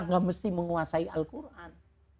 tidak harus menguasai al quran